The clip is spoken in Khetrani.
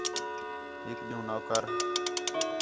ہِک ݙِین٘ہوں نوکر